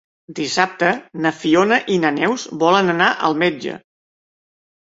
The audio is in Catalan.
Dissabte na Fiona i na Neus volen anar al metge.